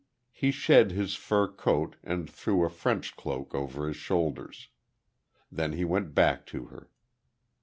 He shed his fur coat and threw a French cloak over his shoulders. Then he went back to her.